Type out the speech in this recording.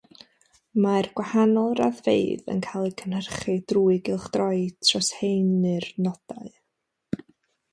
Mae'r gwahanol raddfeydd yn cael eu cynhyrchu drwy gylchdroi troshaenu'r nodau.